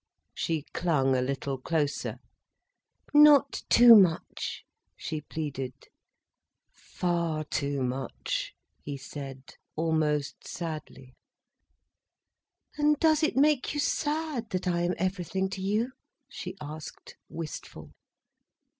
She clung a little closer. "Not too much," she pleaded. "Far too much," he said, almost sadly. "And does it make you sad, that I am everything to you?" she asked, wistful.